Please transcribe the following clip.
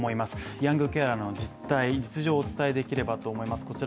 ヤングケアラーの実態、実情をお伝えできればと思います。